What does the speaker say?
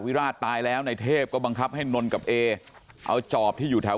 วิราชตายแล้วในเทพก็บังคับให้นนกับเอเอาจอบที่อยู่แถว